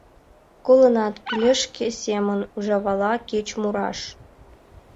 Колынат: кӱлеш шке семын, ужавала кеч мураш.